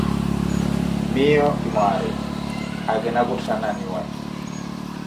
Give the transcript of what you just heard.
Miiyo ki mwaari, akina kutthananiwe.